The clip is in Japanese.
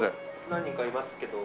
何人かいますけど。